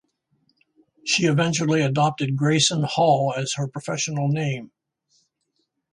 She eventually adopted Grayson Hall as her professional name.